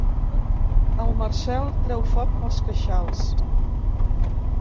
El Marcel treu foc pels queixals.